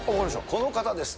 この方です。